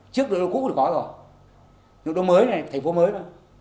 trước nội đô cũ thì có rồi nội đô mới này thành phố mới thôi